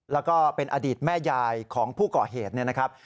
แล้วก็เป็นอดีตแม่ยายของผู้ก่อเหตุเนี่ยนะครับ